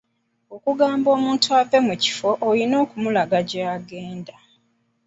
Okugamba omuntu ave mu kifo olina okumulaga gy'agenda.